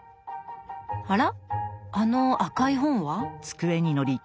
あらあの赤い本は？